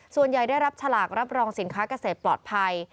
ส่วนใหญ่ได้รับฉลากรับรองสินค้าเกษตรปลอดภัย